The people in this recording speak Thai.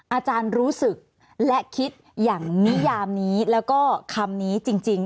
อาจารย์รู้สึกและคิดอย่างนิยามนี้แล้วก็คำนี้จริง